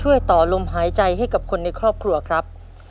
ด้วยร่างกายที่ผิดปลอดภัย